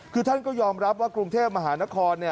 คือท่านก็ยอมรับว่ากรุงเทพมหานคร